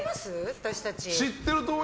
私たち。